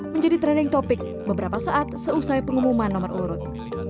menjadi trending topic beberapa saat seusai pengumuman nomor urut